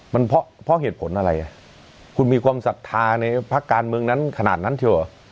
มันเพราะเหตุผลอะไรอ่ะคุณมีความศรัทธาในภาคการเมืองนั้นขนาดนั้นเถอะ